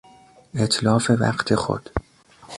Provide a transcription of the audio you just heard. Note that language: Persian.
اتلاف وقت خود